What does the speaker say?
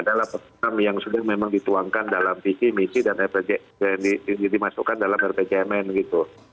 adalah program yang sudah memang dituangkan dalam visi misi dan dimasukkan dalam rpjmn gitu